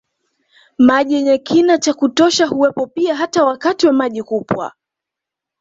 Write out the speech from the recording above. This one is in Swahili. Maji yenye kina cha kutosha huwepo pia hata wakati wa maji kupwa